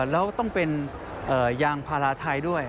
แล้วก็ต้องเป็นยางพาราไทยด้วย